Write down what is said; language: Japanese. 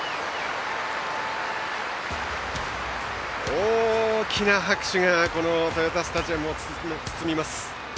大きな拍手がこの豊田スタジアムを包みます。